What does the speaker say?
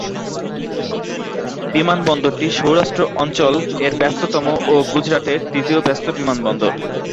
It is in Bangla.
বিমানবন্দরটি সৌরাষ্ট্র অঞ্চল-এর ব্যস্ততম ও গুজরাটের তৃতীয় ব্যস্ত বিমানবন্দর।